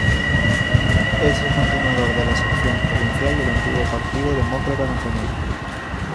Es el continuador de la sección provincial del antiguo Partido Demócrata Nacional.